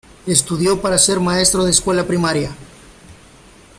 Estudió para ser maestro de escuela primaria.